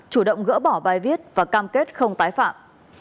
chủ động gỡ bỏ bài viết và cam kết không tái phạm